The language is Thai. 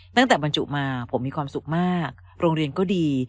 บรรจุมาผมมีความสุขมากโรงเรียนก็ดี